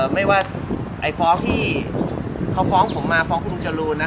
ไม่ว่าที่เพราะที่เขาฟ้องผมมาฟ้องคุณปุ๊ชรูนะคะ